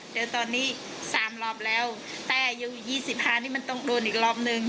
เดี๋ยวตอนนี้สามรอบแล้วแต่อายุยี่สิบห้านี่มันต้องโดนอีกรอบหนึ่ง